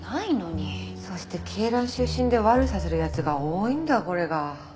そして恵蘭出身で悪さする奴が多いんだこれが。